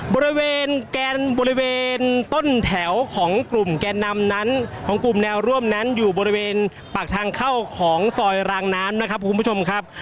บริเวณแกนบริเวณต้นแถวของกลุ่มแกนนำนั้นของกลุ่มแนวร่วมนั้นอยู่บริเวณปากทางเข้าของซอยรางน้ำนะครับคุณผู้ชมครับ